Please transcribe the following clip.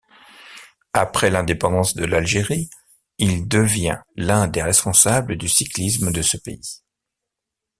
Après l'indépendance de l'Algérie, il devient l'un des responsables du cyclisme de ce pays.